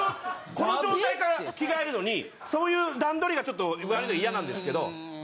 この状態から着替えるのにそういう段取りがちょっと嫌なんですけど。